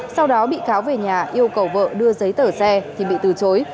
sau đó bị cáo về nhà yêu cầu vợ đưa giấy tờ xe thì bị từ chối